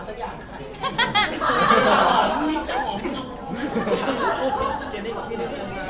สวัสดีค่ะ